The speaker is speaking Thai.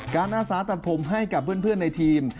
อาสาตัดผมให้กับเพื่อนในทีม